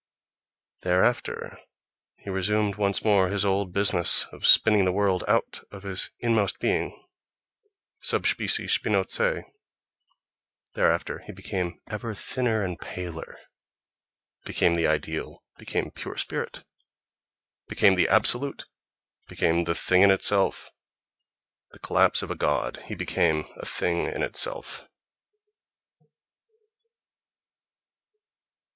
Thereafter he resumed once more his old busi ness of spinning the world out of his inmost being sub specie Spinozae; thereafter he became ever thinner and paler—became the "ideal," became "pure spirit," became "the absolute," became "the thing in itself."... The collapse of a god: he became a "thing in itself."